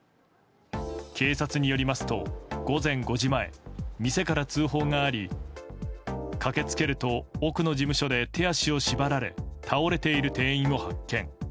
警察によりますと午前５時前、店から通報があり駆けつけると奥の事務所で手足を縛られ倒れている店員を発見。